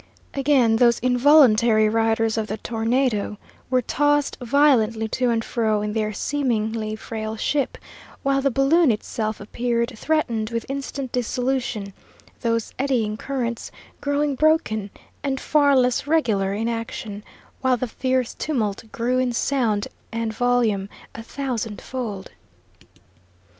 Again those involuntary riders of the tornado were tossed violently to and fro in their seemingly frail ship, while the balloon itself appeared threatened with instant dissolution, those eddying currents growing broken and far less regular in action, while the fierce tumult grew in sound and volume a thousandfold.